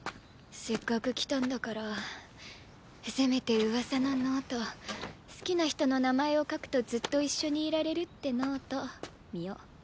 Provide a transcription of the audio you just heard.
せっかく来たんだからせめてうわさのノート好きな人の名前を書くとずっと一緒にいられるってノート見よ。